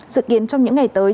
sự kiến trong những ngày tới